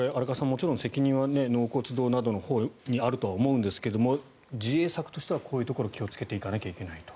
もちろん責任は納骨堂のほうにあると思うんですけども自衛策としてはこういうところに気をつけていかないといけないと。